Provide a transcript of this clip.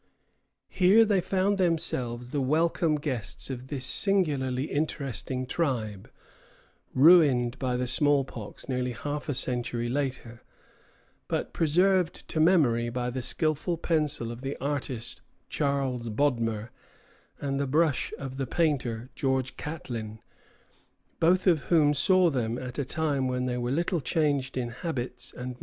Here they found themselves the welcome guests of this singularly interesting tribe, ruined by the small pox nearly half a century ago, but preserved to memory by the skilful pencil of the artist Charles Bodmer, and the brush of the painter George Catlin, both of whom saw them at a time when they were little changed in habits and manners since the visit of the brothers La Vérendrye.